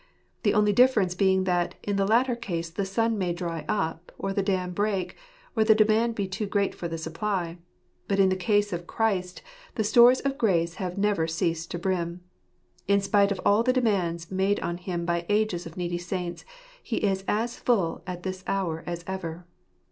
The only difference being that in the latter case the sun may dry up, or the dam break, or the demand be too great for the supply. But in the case of Christ, the stores of grace have never ceased to brim. In spite of all the demands made on Him by ages of needy saints He is as full at this hour as ever.